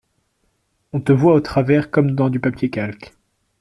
On te voit au travers comme dans du papier calque.